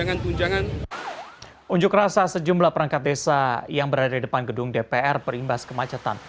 mujuk rasa sejumlah perangkat desa yang berada di depan gedung dpr perimbas kemacetan